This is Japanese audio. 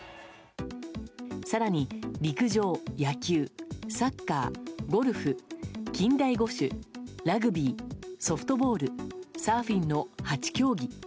更に陸上、野球、サッカーゴルフ、近代五種、ラグビーソフトボール、サーフィンの８競技。